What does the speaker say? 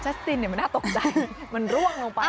สตินเนี่ยมันน่าตกใจมันร่วงลงไป